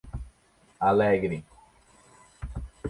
Alegre